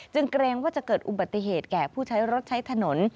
เกรงว่าจะเกิดอุบัติเหตุแก่ผู้ใช้รถใช้ถนน